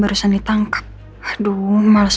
barusan ditangkap aduh males